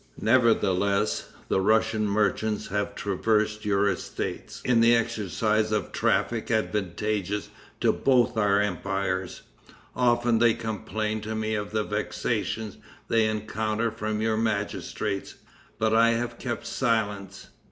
Nevertheless, the Russian merchants have traversed your estates in the exercise of a traffic advantageous to both of our empires. Often they complain to me of the vexations they encounter from your magistrates, but I have kept silence.